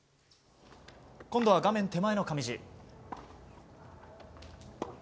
今度は画面手前の上地。